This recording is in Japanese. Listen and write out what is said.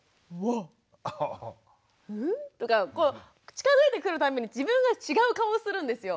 近づいてくるたんびに自分が違う顔をするんですよ。